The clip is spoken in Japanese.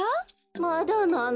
まだなの。